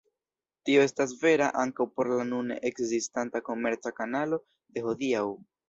Tio estas vera ankaŭ por la nune ekzistanta komerca kanalo de hodiaŭ.